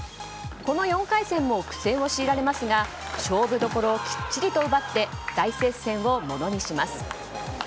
この４回戦も苦戦を強いられますが勝負どころをきっちりと奪って大接戦をものにします。